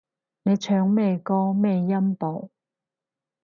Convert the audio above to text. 你唱咩歌咩音部